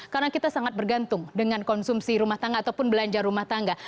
karena kita sangat bergantung dengan konsumsi rumah tangga ataupun belanja rumah tangga